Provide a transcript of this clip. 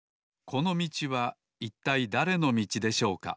このみちはいったいだれのみちでしょうか？